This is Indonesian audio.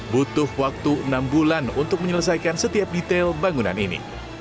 butuh waktu enam bulan untuk menyelesaikan setiap detail bangunan ini